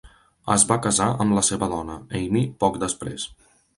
Es va casar amb la seva dona, Amy, poc després.